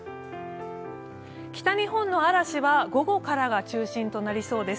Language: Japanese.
北日本の嵐は午後からが中心となりそうです。